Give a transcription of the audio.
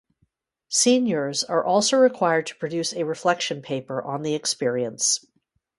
Seniors are also required to produce a reflection paper on the experience.